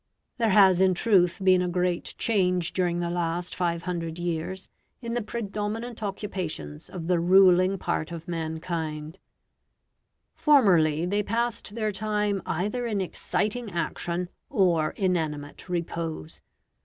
There has in truth been a great change during the last five hundred years in the predominant occupations of the ruling part of mankind; formerly they passed their time either in exciting action or inanimate repose.